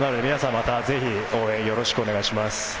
皆さん、またぜひ応援よろしくお願いします。